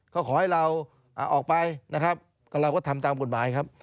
ก็ขอให้เราออกไปนะครับก็เราก็ทำตามกฎหมายครับ